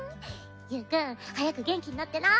ゆーくん早く元気になってな。